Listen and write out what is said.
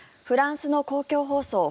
フランスの公共放送